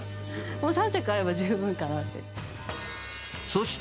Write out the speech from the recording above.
３着あれば十分かなって。